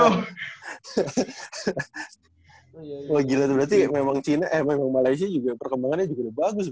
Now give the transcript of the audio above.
oh gila berarti memang china eh memang malaysia juga perkembangannya juga bagus